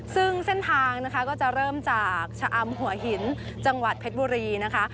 ซึ่งเส้นทางนะคะก็จะเริ่มจากชะอำหัวหินจังหวัดเพชรบุรีนะคะ